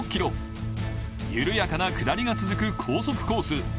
緩やかな下りが続く、高速コース。